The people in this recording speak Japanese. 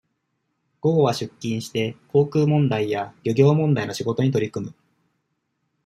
午後は出勤して、航空問題や、漁業問題の仕事に取り組む。